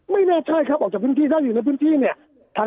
ไม่แน่ใจครับออกจากพื้นที่ถ้าอยู่ในพื้นที่เนี่ย